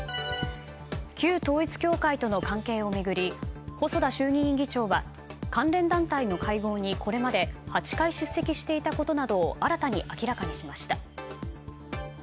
旧統一教会との関係を巡り細田衆議院議長は関連団体の会合に、これまで８回出席していたことなどを新たに明らかにしました。